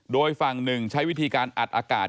โดยฝั่งหนึ่งใช้วิธีการอัดอากาศ